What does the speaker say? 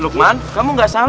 lukman kamu gak salah sama ustadz